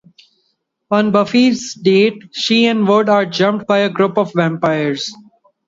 On Buffy's date, she and Wood are jumped by a group of vampires.